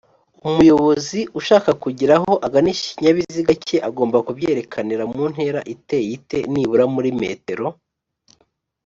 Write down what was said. umuyobozi ushaka kugira aho aganisha ikinyabiziga cye agomba kubyerekanira muntera iteye ite?-nibura muri m